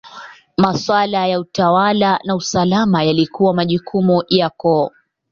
Maswala ya utawala na usalama yalikuwa majukumu ya koo.